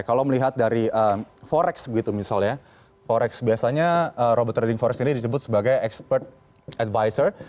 kalau melihat dari forex begitu misalnya forex biasanya robot trading forex ini disebut sebagai expert advisor